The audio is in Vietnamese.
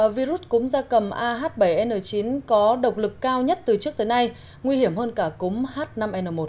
virus cúm da cầm ah bảy n chín có độc lực cao nhất từ trước tới nay nguy hiểm hơn cả cúm h năm n một